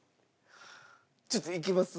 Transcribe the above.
ちょっといきます？